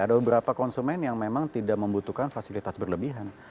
ada beberapa konsumen yang memang tidak membutuhkan fasilitas berlebihan